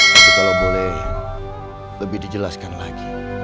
tapi kalau boleh lebih dijelaskan lagi